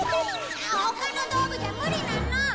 他の道具じゃ無理なの！